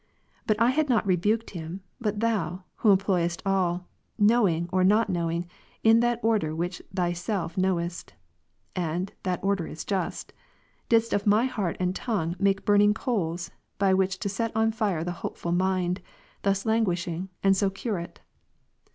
But Prov. 9, I had not rebuked him, but Thou, who employest all, know ^* ing or not knowing, in that order which Thyself knowest, (and that order is just,) didst of my heart and tongue make burning coals, by which to set on fire the hopeful mind, thus languishing, and so cure it.